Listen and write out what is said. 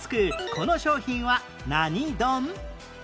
この商品は何ドン？